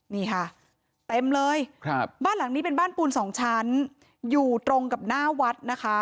นี่ค่ะเต็มเลยครับบ้านหลังนี้เป็นบ้านปูนสองชั้นอยู่ตรงกับหน้าวัดนะคะ